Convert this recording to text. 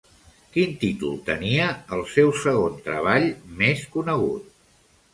Quin títol tenia el seu segon treball més conegut?